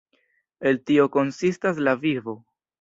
El tio konsistas la vivo.